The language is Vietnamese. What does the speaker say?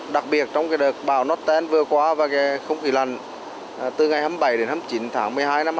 đặc biệt trong đợt bão norten vừa qua và không khí lằn từ ngày hai mươi bảy hai mươi chín tháng một mươi hai hai mươi sáu